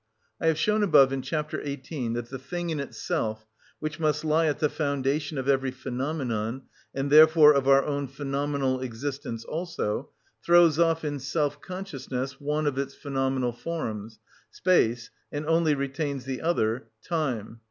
I have shown above, in chapter 18, that the thing in itself, which must lie at the foundation of every phenomenon, and therefore of our own phenomenal existence also, throws off in self consciousness one of its phenomenal forms—space, and only retains the other—time.